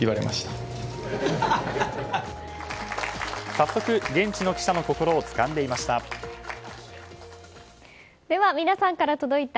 早速、現地の記者の心をつかんでいました。